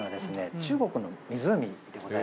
中国の湖でございまして。